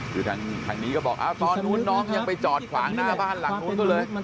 คือทางนี้ก็บอกตอนนู้นน้องยังไปจอดขวางหน้าบ้านหลังนู้นเขาเลย